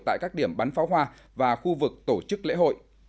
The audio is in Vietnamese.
tại các điểm bắn pháo hoa và khu vực tổ chức lễ hội